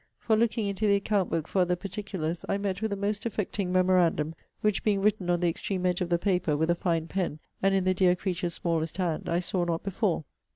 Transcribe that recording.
For, looking into the account book for other particulars, I met with a most affecting memorandum; which being written on the extreme edge of the paper, with a fine pen, and in the dear creature's smallest hand, I saw not before.